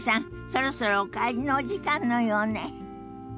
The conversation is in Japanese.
そろそろお帰りのお時間のようね。